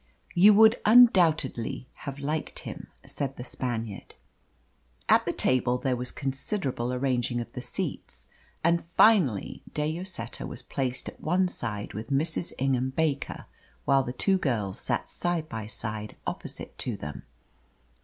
"You would undoubtedly have liked him," said the Spaniard. At the table there was considerable arranging of the seats, and finally De Lloseta was placed at one side with Mrs. Ingham Baker, while the two girls sat side by side opposite to them.